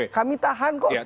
kami tahan kok sepuluh tahun